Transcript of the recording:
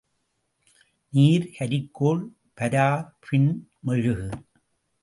நீர், கரிக்கோல், பாரபின் மெழுகு.